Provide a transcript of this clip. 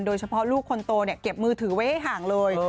โดยเฉพาะลูกคนโตเก็บมือถือไว้ให้ห่างเลย